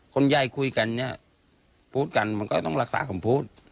คนใหญ่คุยกันเนี่ยพูดกันมันก็ต้องรักษาคำพูด